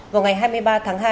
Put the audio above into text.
vào ngày hai mươi ba tháng hai